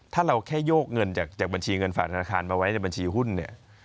ถ้าเราแค่โยกเงินจากบัญชีเงินฝากธนาคารมาไว้ในบัญชีหุ้นเนี่ย